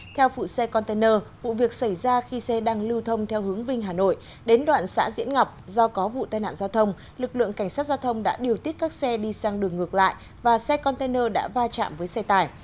theo phụ xe container vụ việc xảy ra khi xe đang lưu thông theo hướng vinh hà nội đến đoạn xã diễn ngọc do có vụ tai nạn giao thông lực lượng cảnh sát giao thông đã điều tiết các xe đi sang đường ngược lại và xe container đã va chạm với xe tải